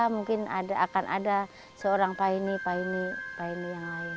mungkin akan ada seorang paine paine paine yang lain